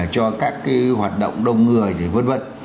cho các cái hoạt động đông ngừa gì vân vân